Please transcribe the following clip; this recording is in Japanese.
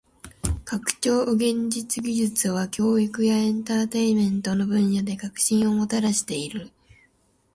拡張現実技術は教育やエンターテインメントの分野で革新をもたらしている。